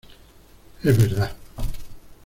¡ es verdad!...